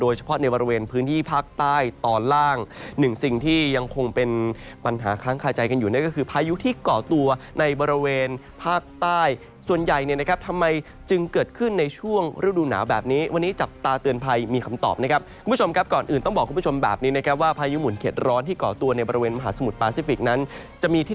เฉพาะในบริเวณพื้นที่ภาคใต้ตอนล่างหนึ่งสิ่งที่ยังคงเป็นปัญหาค้างคาใจกันอยู่นั่นก็คือพายุที่เกาะตัวในบริเวณภาคใต้ส่วนใหญ่เนี่ยนะครับทำไมจึงเกิดขึ้นในช่วงฤดูหนาวแบบนี้วันนี้จับตาเตือนภัยมีคำตอบนะครับคุณผู้ชมครับก่อนอื่นต้องบอกคุณผู้ชมแบบนี้นะครับว่าพายุหมุนเข็ดร้อนที่เกาะตัวในบริเวณมหาสมุทรปาซิฟิกนั้นจะมีท